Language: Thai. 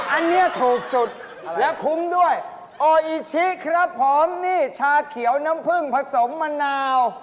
อันนี้ถูกสุดและคุ้มด้วยโออิชิครับผมนี่ชาเขียวน้ำผึ้งผสมมะนาว